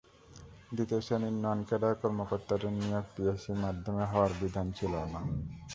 দ্বিতীয় শ্রেণির নন-ক্যাডার কর্মকর্তাদের নিয়োগ পিএসসির মাধ্যমে হওয়ার বিধান ছিল না।